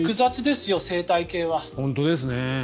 本当ですね。